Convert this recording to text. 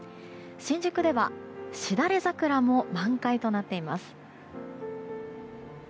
新宿ではしだれ桜も満開となっています。